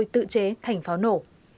tự chế thành pháo nổ